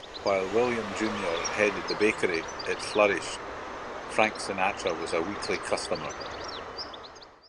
While William Junior headed the bakery, it flourished; Frank Sinatra was a weekly customer.